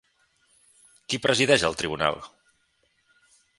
Qui presideix el tribunal?